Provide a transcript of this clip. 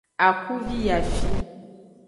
Akuvi yi afi.